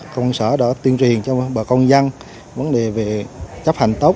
công sở đã tuyên truyền cho bà con dân vấn đề về chấp hành tốt